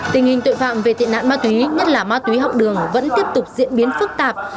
tình hình tội phạm về tị nạn ma túy nhất là ma túy học đường vẫn tiếp tục diễn biến phức tạp